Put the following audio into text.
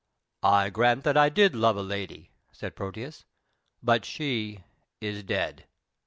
"I grant that I did love a lady," said Proteus, "but she is dead."